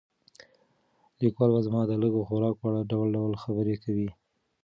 کلیوال به زما د لږ خوراک په اړه ډول ډول خبرې کوي.